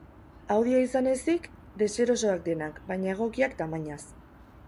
Audia izan ezik, deserosoak denak, baina egokiak tamainaz.